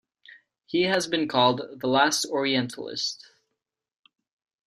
He has been called "the Last Orientalist".